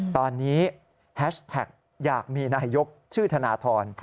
ตอนนี้แฮชแท็กอยากมีนายกชื่อธนทร